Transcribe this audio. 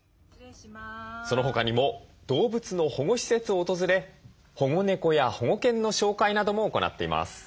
そのほかにも動物の保護施設を訪れ保護猫や保護犬の紹介なども行っています。